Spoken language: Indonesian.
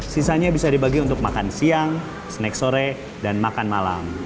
sisanya bisa dibagi untuk makan siang snack sore dan makan malam